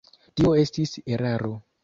Tio estis eraro.